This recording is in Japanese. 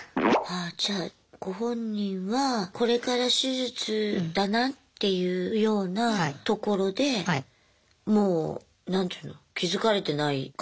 ああじゃあご本人はこれから手術だなっていうようなところでもう何ていうの気付かれてない感じで。